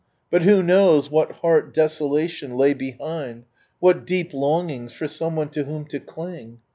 But who knows what heart deso lation lay behind, what deep longings for some one to whom to cling